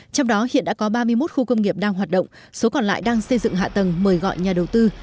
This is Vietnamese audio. trong đó hiện đã có ba mươi một khu công nghiệp đang hoạt động số còn lại đang xây dựng hạ tầng mời gọi nhà đầu tư